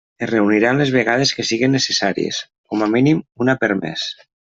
Es reuniran les vegades que siguen necessàries, com a mínim una per mes.